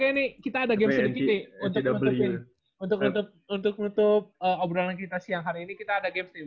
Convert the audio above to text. untuk untuk untuk untuk obrolan kita siang hari ini kita ada game sih mas